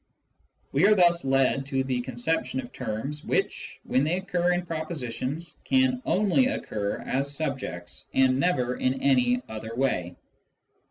We are thus led to the conception of terms which, when they occur in propositions, can only occur as subjects, and never in any other way.